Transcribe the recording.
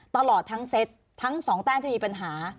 ตลอดทั้งเซตทั้งสองแต้มที่มีปัญหา